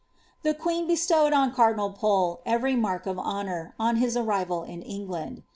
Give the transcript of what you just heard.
The queen bestowed on cardinal Pole every mark of honour, on hit arrival in England.